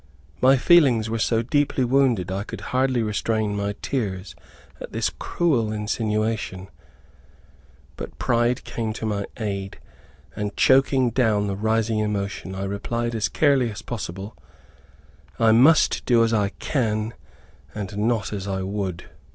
My feelings were so deeply wounded I could hardly restrain my tears at this cruel insinuation; but pride came to my aid, and, choking down the rising emotion, I replied as carelessly as possible, "I must do as I can, and not as I would."